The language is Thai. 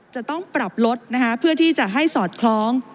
จะต้องปรับลดเพื่อที่จะให้สอดคล้อง